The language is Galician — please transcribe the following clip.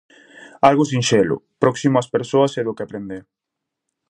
Algo sinxelo, próximo as persoas e do que aprender.